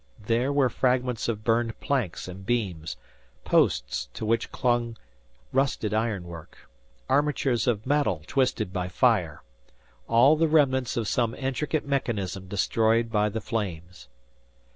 There were fragments of burned planks and beams; posts to which clung rusted iron work; armatures of metal twisted by fire; all the remnants of some intricate mechanism destroyed by the flames.